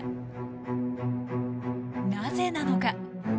なぜなのか。